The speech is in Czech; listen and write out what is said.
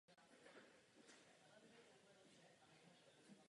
Smlouva je logickou odpovědí na tyto problémy.